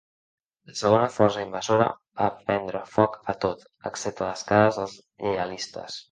La segona força invasora va prendre foc a tot, excepte les cases dels lleialistes.